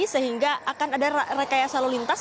sehingga akan ada rekaya salur lintas